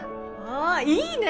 あいいね！